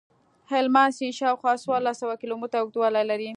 هلمند سیند شاوخوا څوارلس سوه کیلومتره اوږدوالی لري.